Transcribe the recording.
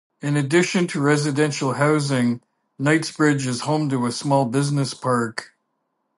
In addition to residential housing, Knightsbridge is home to a small business park.